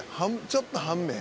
ちょっと半目？」